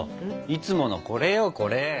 いつものこれよこれ！